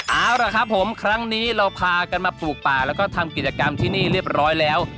เอาล่ะครับผมครั้งนี้เราพากันมาปลูกป่าแล้วก็ทำกิจกรรมที่นี่เรียบร้อยแล้ว